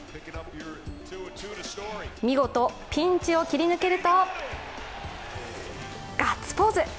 見事ピンチを切り抜けるとガッツポーズ。